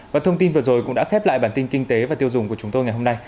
và thông tin vừa rồi cũng đã khép lại bản tin kinh tế và tiêu dùng của chúng tôi ngày hôm nay